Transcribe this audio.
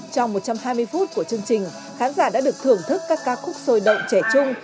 trong một trăm hai mươi phút của chương trình khán giả đã được thưởng thức các ca khúc sôi động trẻ trung